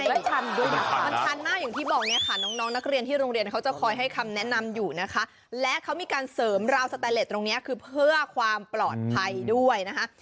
แล้วชันด้วยนะมันชันมากอย่างที่บอกเนี่ยค่ะน้องนักเรียนที่โรงเรียนเขาจะคอยให้คำแนะนำอยู่นะคะและเขามีการเสริมราวสแตนเลสตรงนี้คือเพื่อความปลอดภัยด้วยนะคะ